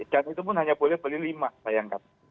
dan itu pun hanya boleh beli lima sayangkan